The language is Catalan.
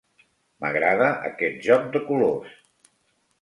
M'agrada aquest joc de colors.